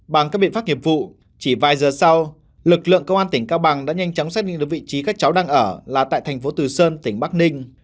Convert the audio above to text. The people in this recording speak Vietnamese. bằng các biện pháp nghiệp vụ chỉ vài giờ sau lực lượng công an tỉnh cao bằng đã nhanh chóng xác định được vị trí các cháu đang ở là tại thành phố từ sơn tỉnh bắc ninh